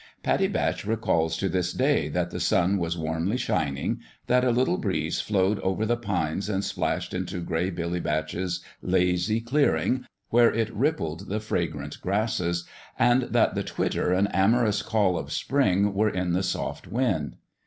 Pattie Batch recalls to this day that the sun was warmly shining, that a little breeze flowed over the pines and splashed into Gray Billy Batch's lazy clear ing, where it rippled the fragrant grasses, and that the twitter and amorous call of spring were in the soft wind.